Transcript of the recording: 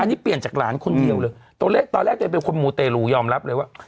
อันนี้เปลี่ยนจากหลานคนเดียวเลยตอนแรกตัวเองเป็นคนมูเตรลูยอมรับเลยว่า